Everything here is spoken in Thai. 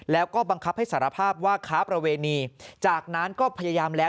แล้วก็บังคับให้สารภาพว่าค้าประเวณีจากนั้นก็พยายามแล้ว